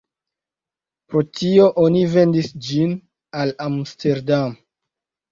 Pro tio oni vendis ĝin al Amsterdam.